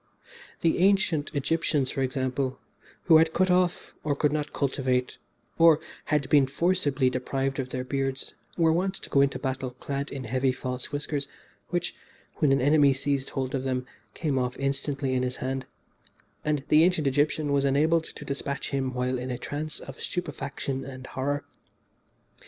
The ancient Egyptians, for example, who had cut off, or could not cultivate, or had been forcibly deprived of their beards, were wont to go into battle clad in heavy false whiskers, which, when an enemy seized hold of them, came off instantly in his hand, and the ancient Egyptian was enabled to despatch him while in a trance of stupefaction and horror.